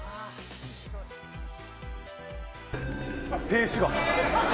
静止画。